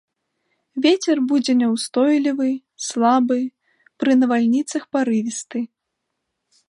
Вецер будзе няўстойлівы, слабы, пры навальніцах парывісты.